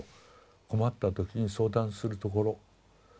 困った時に相談するところ。